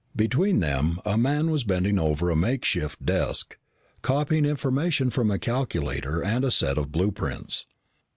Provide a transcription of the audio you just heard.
Between them, a man was bending over a makeshift desk, copying information from a calculator and a set of blueprints.